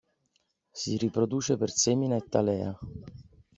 Si riproduce per semina e talea.